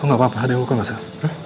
lo gak apa apa ada yang buka gak sah